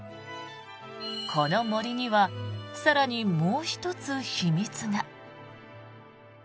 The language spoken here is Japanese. この杜には更にもう１つ秘密が。